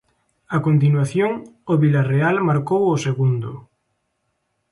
A continuación, o Vilarreal marcou o segundo.